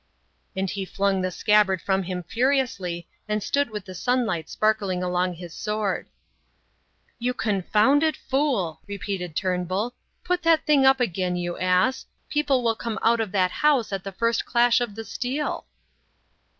And he flung the scabbard from him furiously, and stood with the sunlight sparkling along his sword. "You confounded fool," repeated Turnbull. "Put that thing up again, you ass; people will come out of that house at the first clash of the steel."